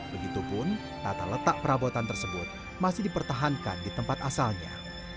begitupun tata letak perabotan tersebut masih dipertahankan di tempat asalnya